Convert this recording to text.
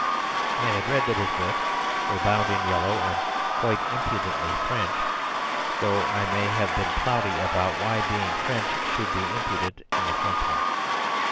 I had read that his books were bound in yellow and "quite impudently French"; though I may have been cloudy about why being French should be impudent in a Frenchman.